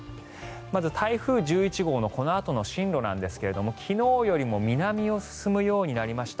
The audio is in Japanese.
まず、台風１１号のこのあとの進路なんですが昨日よりも南を進むようになりました。